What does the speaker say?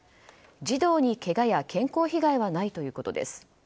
児童に、けがや健康被害はないということです。